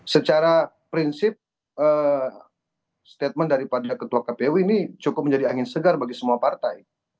secara prinsip statement daripada ketua kpu ini cukup menjadi angin segar bagi semua partai